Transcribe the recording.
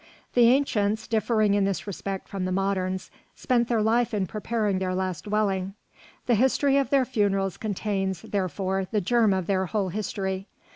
The ancients, differing in this respect from the moderns, spent their life in preparing their last dwelling. The history of their funerals contains, therefore, the germ of their whole history.